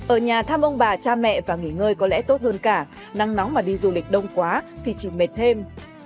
ở nhà thăm ông bà cha mẹ và nghỉ ngơi có lẽ tốt hơn cả nắng nóng mà đi du lịch đông quá thì chỉ mệt thêm